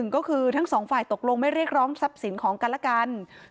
ก็คือทั้งสองฝ่ายตกลงไม่เรียกร้องทรัพย์สินของกันและกัน